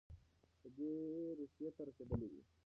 دی روسيې ته رسېدلی دی.